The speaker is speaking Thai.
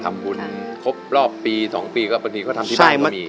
ทำบุญครบรอบปี๒ปีก็ทำที่บ้านก็มี